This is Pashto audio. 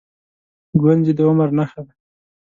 گونځې د عمر نښه ده.